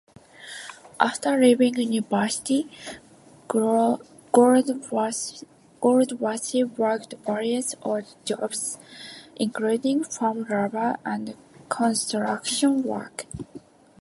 After leaving university, Goldsworthy worked various odd jobs, including farm labor and construction work.